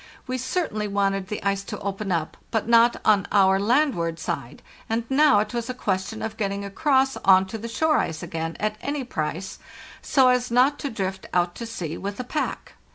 We cer tainly wanted the ice to open up, but not on our land ward side; and now it was a question of getting across on to the shore ice again at any price, so as not to drift out to sea with the pack.